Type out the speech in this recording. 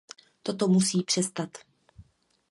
Toto musí přestat.